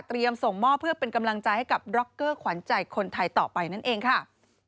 ส่งมอบเพื่อเป็นกำลังใจให้กับดร็อกเกอร์ขวัญใจคนไทยต่อไปนั่นเองค่ะ